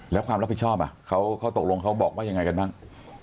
แล้วความรับผิดชอบเขาตกลงเขาบอกว่ายังไงกันบ้าง